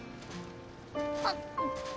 あっ